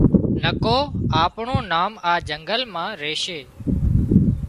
نڪو آپڻون نام آ جنگل مان ريشي